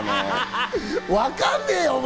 わかんねえよ、お前！